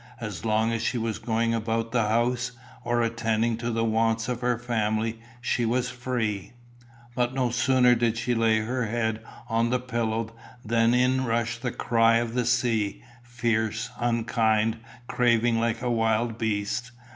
As long as she was going about the house or attending to the wants of her family, she was free; but no sooner did she lay her head on the pillow than in rushed the cry of the sea, fierce, unkind, craving like a wild beast.